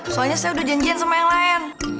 soalnya saya udah janjian sama yang lain